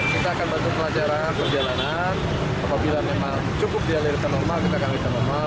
kita akan bantu pelajaran perjalanan apabila memang cukup dialirkan normal kita akan bisa normal